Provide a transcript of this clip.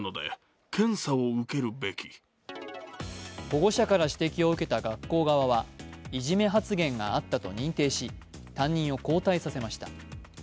保護者から指摘を受けた学校側はいじめ発言があったと認定し、担任を交代させました。